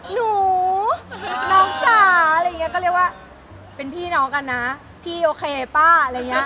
หนูน้องจ๋าอะไรอย่างเงี้ก็เรียกว่าเป็นพี่น้องกันนะพี่โอเคป้าอะไรอย่างเงี้ย